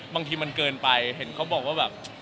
บางทีมันเกินไปเห็นเขาบอกว่าแบบ